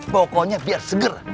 pokoknya biar seger